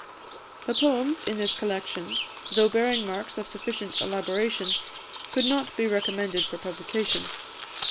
The poems in this collection, though bearing marks of sufficient elaboration, could not be recommended for publication.